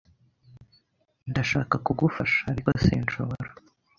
Ndashaka kugufasha, ariko sinshobora.